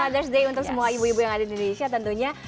others ⁇ day untuk semua ibu ibu yang ada di indonesia tentunya